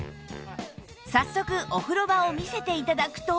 早速お風呂場を見せて頂くと